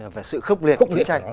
về sự khốc liệt của chiến tranh